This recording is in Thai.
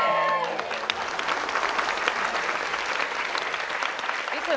แล้วก็กลับไปทำงานอีกหนึ่ง